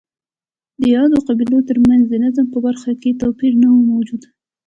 د یادو قبیلو ترمنځ د نظم په برخه کې توپیرونه موجود وو